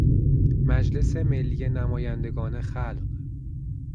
مجلس ملی نمایندگا خلق